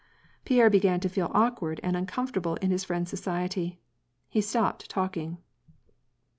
Pierre began to feel awkward and uncomfoi table in his friend's society. He stopped talking.